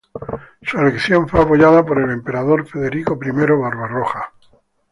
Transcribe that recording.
Su elección fue apoyada por el emperador Federico I Barbarroja.